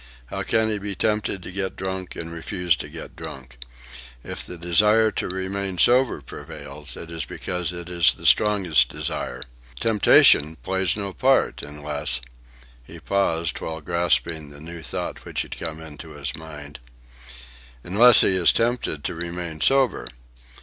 How can he be tempted to get drunk and refuse to get drunk? If the desire to remain sober prevails, it is because it is the strongest desire. Temptation plays no part, unless—" he paused while grasping the new thought which had come into his mind—"unless he is tempted to remain sober.